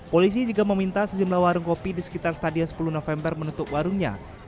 polisi juga meminta sejumlah warung kopi di sekitar stadion sepuluh november menutup warungnya